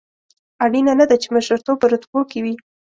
اړینه نه ده چې مشرتوب په رتبو کې وي.